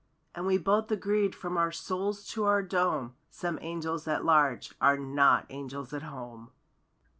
And we both agreed from our soles to our dome! "Some angels at large are not angels at home."